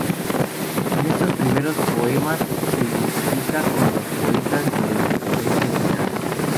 En estos primeros poemas se identifica con los poetas de la independencia americana.